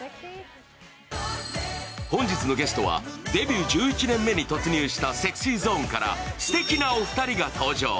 本日のゲストはデビュー１１年目に突入したＳｅｘｙＺｏｎｅからすてきなお二人が登場。